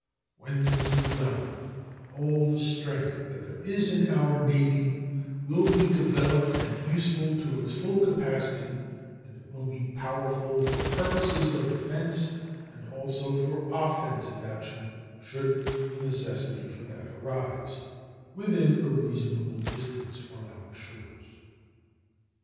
When this is done, all the strength that there is in our Navy will be developed and useful to its full capacity, and it will be powerful for purposes of defense, and also for offensive action, should the necessity for that arise within a reasonable distance from our shores.